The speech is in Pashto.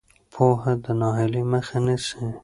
پوهه د ناهیلۍ مخه نیسي.